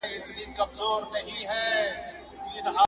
خراب خراب دي کړم چپه دي کړمه.